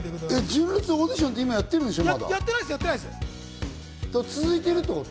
純烈オーディションってやってるんですか？